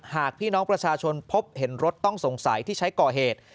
หากพี่น้องประชาชนพบเห็นรถต้องสงสัยที่ใช้ก่อเหตุ